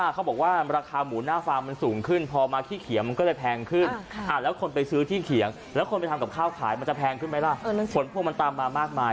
กับข้าวขายมันจะแพงขึ้นไหมล่ะเออนั่นสิผลพวงมันตามมามากมาย